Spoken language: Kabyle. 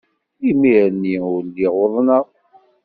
Imir-nni ur lliɣ uḍneɣ.